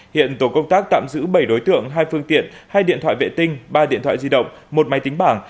hiện tổ công tác tạm giữ bảy đối tượng hai phương tiện hai điện thoại vệ tinh ba điện thoại di động một máy tính bảng